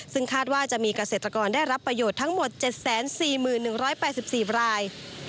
ซึ่งคาดว่าจะมีเกษตรกรได้รับประโยชน์ทั้งหมด๗๔๑๘๔ราย